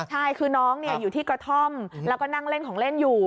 ใช่คือน้องอยู่ที่กระท่อมแล้วก็นั่งเล่นของเล่นอยู่